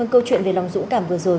câu chuyện về lòng dũng cảm vừa rồi